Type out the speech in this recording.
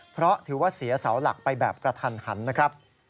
เพราะถือว่าเสียเสาหลักไปแบบกระทันหันนะครับ